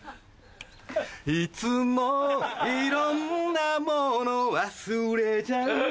いつもいろんなもの忘れちゃう